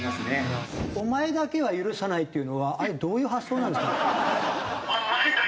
「お前だけは許さない」というのはあれどういう発想なんですか？